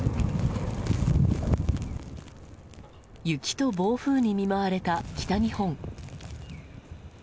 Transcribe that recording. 雪と暴風に見舞われた北日本。